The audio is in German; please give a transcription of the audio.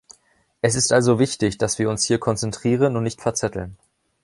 Es ist also wichtig, dass wir uns hier konzentrieren und nicht verzetteln.